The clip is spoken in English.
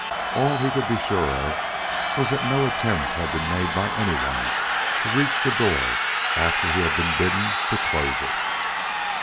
All he could be sure of was that no attempt had been made by anyone to reach the door after he had been bidden to close it.